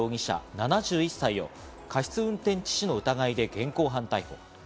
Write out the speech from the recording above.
７１歳を過失運転致死の疑いで現行犯逮捕。